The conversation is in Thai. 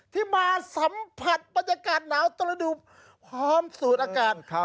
ที่มาสัมผัสบรรยากาศหนาวตระดูกพร้อมสูดอากาศ